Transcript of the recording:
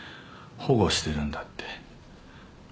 保護してるんだって。